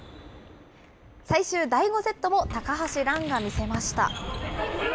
最終第５セットも、高橋藍が見せました。